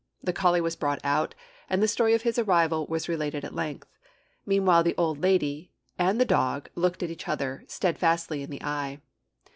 The collie was brought out, and the story of his arrival was related at length. Meanwhile the old lady and the dog looked each other steadfastly in the eye.